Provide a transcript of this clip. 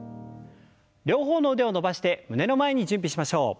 両方の腕を伸ばして胸の前に準備しましょう。